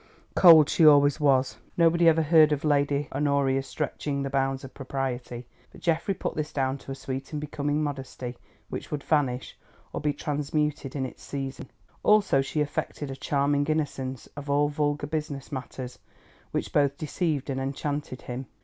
Cold she always was; nobody ever heard of Lady Honoria stretching the bounds of propriety; but Geoffrey put this down to a sweet and becoming modesty, which would vanish or be transmuted in its season. Also she affected a charming innocence of all vulgar business matters, which both deceived and enchanted him.